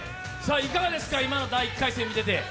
いかがですか、今の第１回戦見てて。